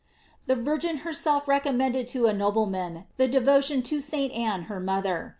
The Virgin herself recommended to a nobleman the devotion to St. Ann her mother.